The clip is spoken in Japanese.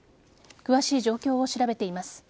詳しい状況を調べています。